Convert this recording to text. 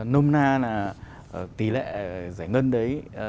nôm na là tỷ lệ giải ngân đấy